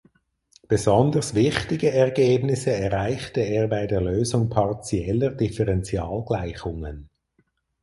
Besonders wichtige Ergebnisse erreichte er bei der Lösung Partieller Differentialgleichungen.